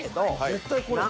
絶対これや。